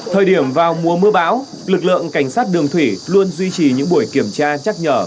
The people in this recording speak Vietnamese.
thời điểm vào mùa mưa bão lực lượng cảnh sát đường thủy luôn duy trì những buổi kiểm tra nhắc nhở